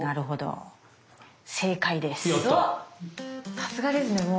さすがですねもう。